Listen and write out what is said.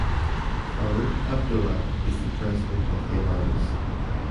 Farooq Abdullah is the president of the alliance.